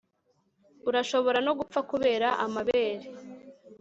Urashobora no gupfa kubera amabere